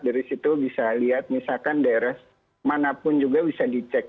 dari situ bisa lihat misalkan daerah manapun juga bisa dicek